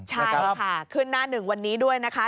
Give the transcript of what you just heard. ใช่ค่ะขึ้นหน้าหนึ่งวันนี้ด้วยนะคะ